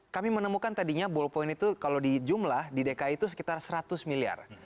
kami menemukan tadinya ballpoint itu kalau di jumlah di dki itu sekitar seratus miliar